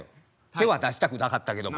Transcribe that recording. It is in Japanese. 手は出したくなかったけども。